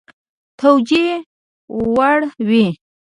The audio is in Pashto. توجیه وړ وي.